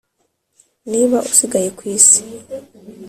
Niba usigaye ku isi